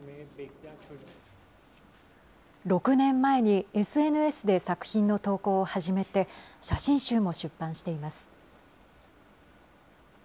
６年前にＳＮＳで作品の投稿を始めて、写真集も出版しています。